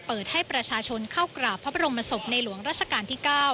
เปิดให้ประชาชนเข้ากราบพระบรมศพในหลวงราชการที่๙